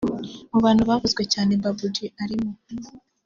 Mu bantu bavuzwe cyane Babou G arimo